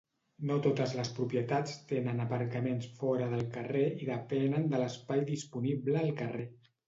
No totes les propietats tenen aparcaments fora del carrer i depenen de l'espai disponible al carrer.